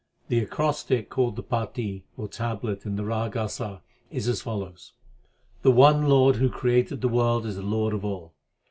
The acrostic called the patti or tablet in the Rag l Asa is as follows : S. The one Lord who created the world is the Lord of all.